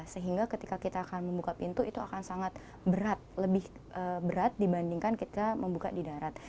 sehingga ketika kita akan membuka pintu itu akan sangat berat lebih berat dibandingkan kita membuka di darat